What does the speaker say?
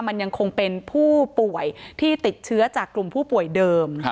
มันยังคงเป็นผู้ป่วยที่ติดเชื้อจากกลุ่มผู้ป่วยเดิม